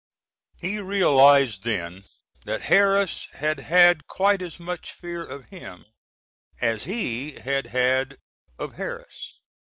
He realized then that Harris had had quite as much fear of him as he had had of Harris.